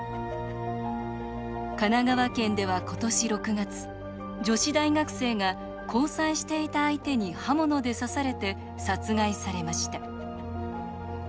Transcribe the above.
神奈川県では今年６月女子大学生が交際していた相手に刃物で刺されて殺害されました。